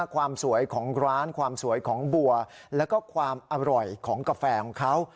ความสวยของร้านความสวยของบัวแล้วก็ความอร่อยของกาแฟของเขา